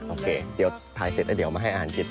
โอเคถ่ายเสร็จแล้วเดี๋ยวมาให้อ่านให้หิน